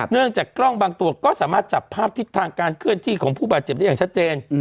จากกล้องบางตัวก็สามารถจับภาพทิศทางการเคลื่อนที่ของผู้บาดเจ็บได้อย่างชัดเจน